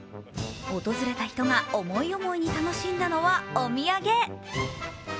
訪れた人が思い思いに楽しんだのはお土産。